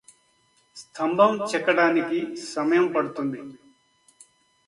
స్తంభం చెక్కడానికి సమయం పడుతుంది